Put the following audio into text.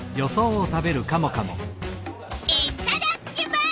いっただきます！